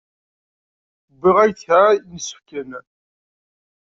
Wwiɣ-ak-d kra n yisefken.